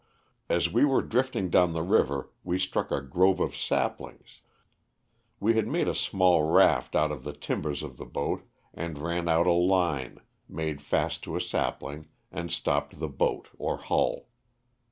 As we were drifting down the river we struck a grove of saplings. We had made a small raft out of the timbers of the boat and ran out a line, made fast to a sapling and stopped the boat or hull.